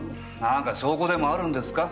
なんか証拠でもあるんですか？